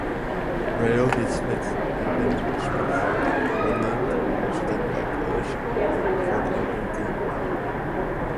Bryony Smith and Linsey Smith were named as standby players for the England team.